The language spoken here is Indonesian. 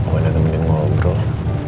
pokoknya temenin ngobrol